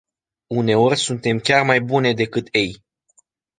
Uneori suntem chiar mai bune decât ei.